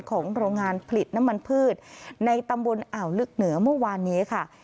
โรงงานผลิตน้ำมันพืชในตำบลอ่าวลึกเหนือเมื่อวานนี้ค่ะ